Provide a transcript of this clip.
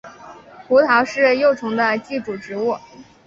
胡桃是幼虫的寄主植物。